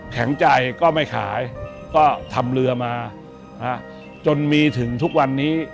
แข็งใจก็ไม่ขายก็ทำเรือมาจนมีถึงทุกวันนี้